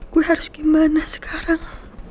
gue harus gimana sekarang